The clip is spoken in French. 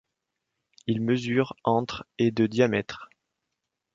Ils mesurent entre et de diamètre.